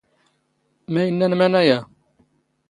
ⵎⴰ ⵉⵏⵏⴰⵏ ⵎⴰⵏ ⴰⵢⴰ?